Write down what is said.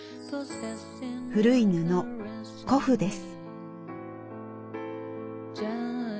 古い布古布です。